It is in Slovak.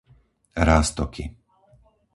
Ráztoky